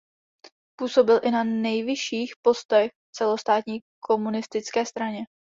Působil i na nejvyšších postech v celostátní komunistické straně.